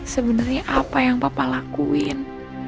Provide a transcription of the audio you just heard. sebenarnya apa yang bapak lakuin